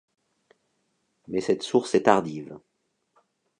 Mais cette source est tardive.